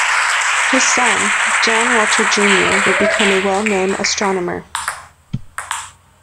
His son Jan Woltjer Junior would become a well-known astronomer.